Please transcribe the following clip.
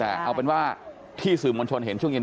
แต่เอาเป็นว่าที่สื่อมวลชนเห็นช่วงเย็น